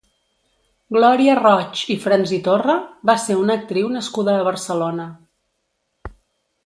Glòria Roig i Fransitorra va ser una actriu nascuda a Barcelona.